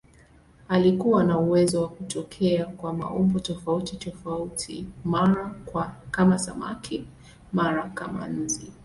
Alikuwa na uwezo wa kutokea kwa maumbo tofautitofauti, mara kama samaki, mara kama nzi.